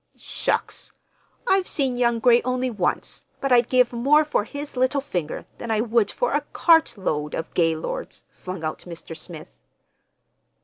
"Shucks! I've seen young Gray only once, but I'd give more for his little finger than I would for a cartload of Gaylords!" flung out Mr. Smith.